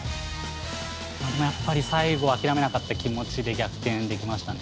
やっぱり最後は諦めなかった気持ちで逆転できましたね。